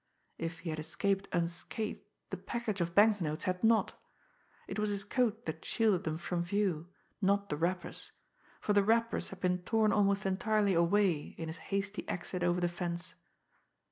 If he had escaped unscathed, the package of banknotes had not it was his coat that shielded them from view, not the wrappers, for the wrappers had been torn almost entirely away in his hasty exit over the fence.